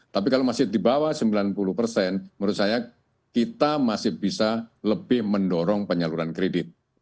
tapi kalau masih di bawah sembilan puluh persen menurut saya kita masih bisa lebih mendorong penyaluran kredit